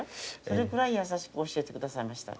それくらい優しく教えてくださいました。